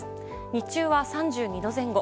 日中は３２度前後。